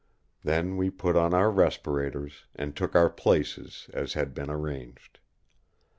Then we put on our respirators, and took our places as had been arranged.